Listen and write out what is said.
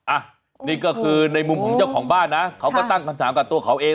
อ่ะนี่ก็คือในมุมของเจ้าของบ้านนะเขาก็ตั้งคำถามกับตัวเขาเอง